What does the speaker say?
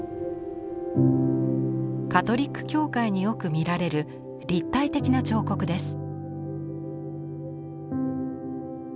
カトリック教会によく見られる立体的な彫刻です。